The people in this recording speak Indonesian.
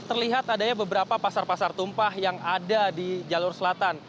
terlihat adanya beberapa pasar pasar tumpah yang ada di jalur selatan